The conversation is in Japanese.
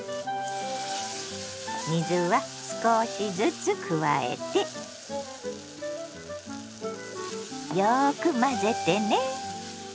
水は少しずつ加えてよく混ぜてね。